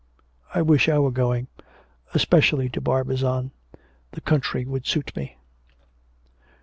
I wish I were going. Especially to Barbizon. The country would suit me.'